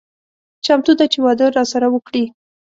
چمتو ده چې واده راسره وکړي.